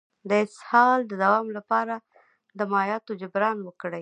د اسهال د دوام لپاره د مایعاتو جبران وکړئ